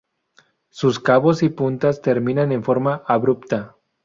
Sus cabos y puntas terminan en forma abrupta.